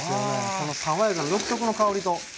この爽やかな独特の香りと。